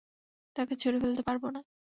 তাকে ছুড়ে ফেলতে পারবো না।